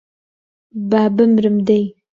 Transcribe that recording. با بمرم دەی